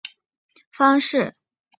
有电解法及还原法两种方式。